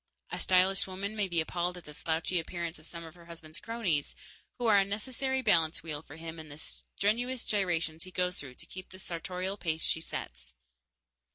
A stylish woman may be appalled at the slouchy appearance of some of her husband's cronies, who are a necessary balance wheel for him in the strenuous gyrations he goes through to keep the sartorial pace she sets.